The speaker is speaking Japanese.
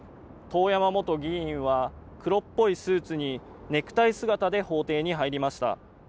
遠山元議員は黒っぽいスーツにネクタイ姿で法廷に入りました。